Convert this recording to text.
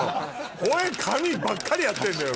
「吠え噛み」ばっかりやってんのよ